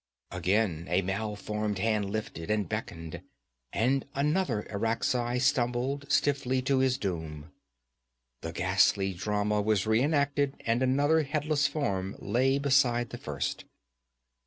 Again a malformed hand lifted and beckoned, and another Irakzai stumbled stiffly to his doom. The ghastly drama was re enacted and another headless form lay beside the first.